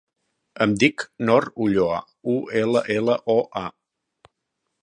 Em dic Nor Ulloa: u, ela, ela, o, a.